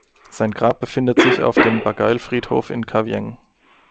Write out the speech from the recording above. Sein Grab befindet sich auf dem Bagail–Friedhof in Kavieng.